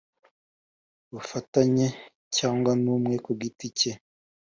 Bufatanye Cyangwa N Umwe Ku Giti Cye